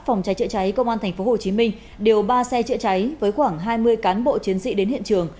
phòng cháy trựa cháy công an tp hcm đều ba xe trựa cháy với khoảng hai mươi cán bộ chiến sĩ đến hiện trường